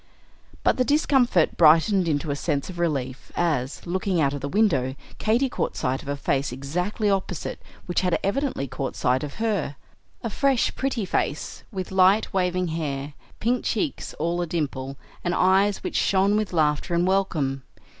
But the discomfort brightened into a sense of relief as, looking out of the window, Katy caught sight of a face exactly opposite, which had evidently caught sight of her, a fresh, pretty face, with light, waving hair, pink cheeks all a dimple, and eyes which shone with laughter and welcome.